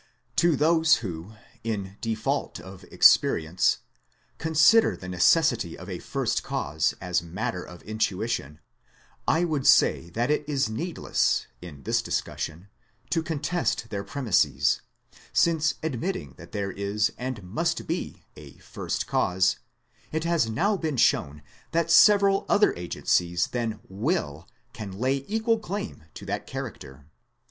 To those who, in default of Experience, consider the necessity of a first cause as matter of intuition, I would say that it is needless, in this discussion, to contest their premises ; since admitting that there is and must be a First Cause, it has now been shown that several other agencies than Will can lay equal claim to that character.